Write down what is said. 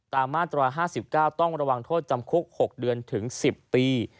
มาตรา๕๙ต้องระวังโทษจำคุก๖เดือนถึง๑๐ปี